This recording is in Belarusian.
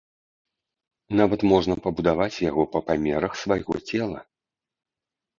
Нават можна пабудаваць яго па памерах свайго цела.